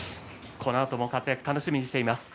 このあとも活躍を楽しみにしています。